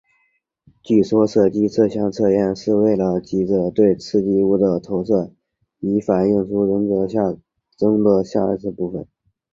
据说设计这项测验是为了藉着对刺激物的投射以反映出人格中的下意识部分。